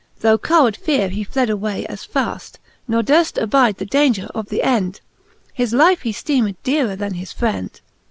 Through cowherd feare he fled away as faft, Ne durft abide the daunger of the end ; His life he ftecmed dearer then his frend.